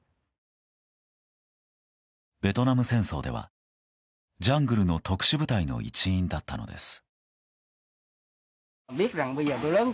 ベトナム戦争では、ジャングルの特殊部隊の一員だったのです。